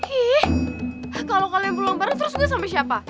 ih kalo kalian pulang bareng terus gue sama siapa